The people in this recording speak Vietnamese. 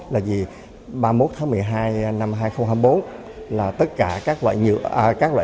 là vì ba mươi một tháng một mươi hai năm hai nghìn hai mươi bốn là tất cả các loại rác phải được phân loại